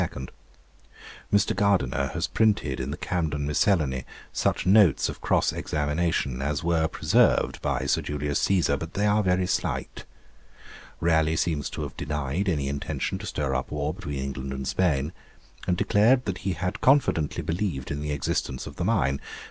Mr. Gardiner has printed in the Camden Miscellany such notes of cross examination as were preserved by Sir Julius Cæsar, but they are very slight. Raleigh seems to have denied any intention to stir up war between England and Spain, and declared that he had confidently believed in the existence of the mine.